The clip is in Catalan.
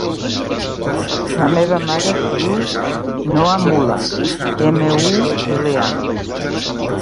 La meva mare es diu Noha Mula: ema, u, ela, a.